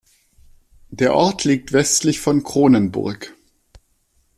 Der Ort liegt westlich von Kronenburg.